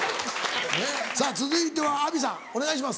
さぁ続いては阿炎さんお願いします。